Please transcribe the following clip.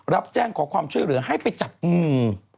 รับแจ้งขอความช่วยเหลือให้ไปจับงู